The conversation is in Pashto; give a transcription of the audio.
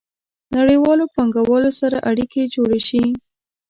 نړیوالو پانګوالو سره اړیکې جوړې شي.